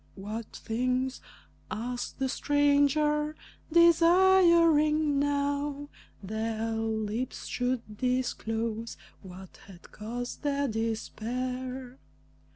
"What things?" asked the stranger, desiring now Their lips should disclose what had caused their despair.